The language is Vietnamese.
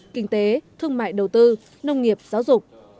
kinh tế thương mại đầu tư nông nghiệp giáo dục